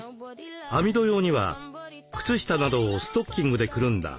網戸用には靴下などをストッキングでくるんだ